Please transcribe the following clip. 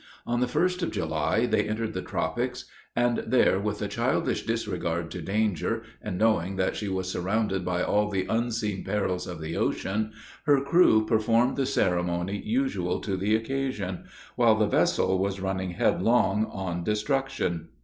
On the 1st of July, they entered the tropics; and there, with a childish disregard to danger, and knowing that she was surrounded by all the unseen perils of the ocean, her crew performed the ceremony usual to the occasion, while the vessel was running headlong on destruction.